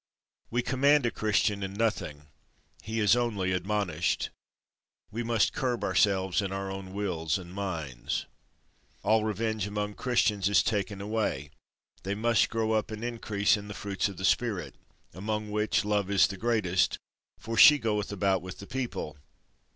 We command a Christian in nothing, he is only admonished. We must curb ourselves in our own wills and minds. All revenge among Christians is taken away; they must grow up and increase in the fruits of the spirit, among which love is the greatest, for she goeth about with the people.